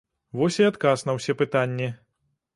Вось, і адказ на ўсе пытанні.